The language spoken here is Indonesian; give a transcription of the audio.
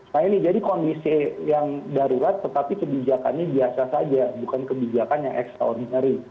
nah ini jadi kondisi yang darurat tetapi kebijakannya biasa saja bukan kebijakan yang extraordinari